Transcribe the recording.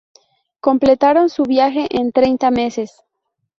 Completaron su viaje en treinta meses.